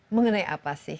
mengenai apa sih